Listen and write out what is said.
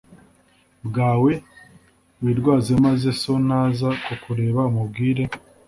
bwawe wirwaze maze so naza kukureba umubwire